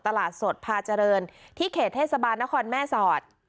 ตลาดสดพาเจริญที่เขตเทศบาลนครแม่สอด